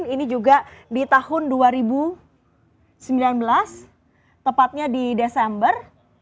ini juga di tahun dua ribu sembilan belas tepatnya di desember